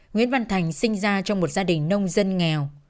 nguyễn văn thành sinh ra trong một gia đình nông dân nghèo